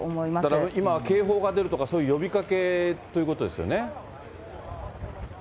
だから今、警報が出るとか、そういう呼びかけということですよね。